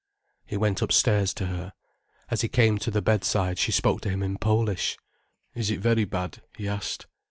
He went upstairs to her. As he came to the bedside she spoke to him in Polish. "Is it very bad?" he asked.